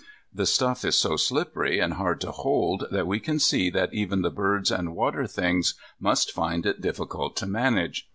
The stuff is so slippery and hard to hold that we can see that even the birds and water things must find it difficult to manage.